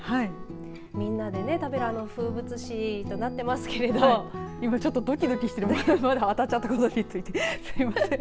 みんなで食べるあの風物詩となっていますけれど今、ちょっと、どきどきして当たっちゃったことについて。